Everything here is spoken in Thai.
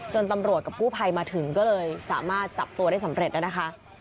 ตำรวจกับกู้ภัยมาถึงก็เลยสามารถจับตัวได้สำเร็จนะคะ